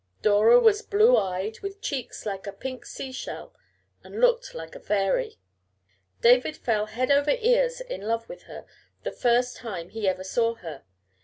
Dora was blue eyed, with cheeks like a pink sea shell, and looked like a fairy. David fell head over ears in love with her the first time he ever saw her.